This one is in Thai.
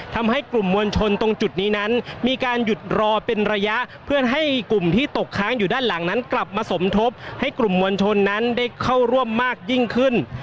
ทำให้กลุ่มมวลชนตรงจุดนี้นั้นมีการหยุดรอเป็นระยะเพื่อให้กลุ่มที่ตกค้างอยู่ด้านหลังนั้นกลับมาสมทบให้กลุ่มมวลชนนั้นได้เข้าร่วมมากยิ่งขึ้น